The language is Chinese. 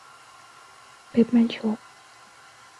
遍布于北半球林地。